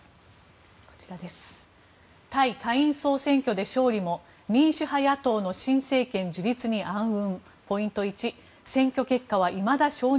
タイ下院総選挙で勝利も民主派野党の新政権樹立に暗雲。